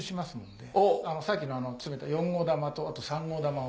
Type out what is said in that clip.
さっきの詰めた４号玉とあと３号玉を。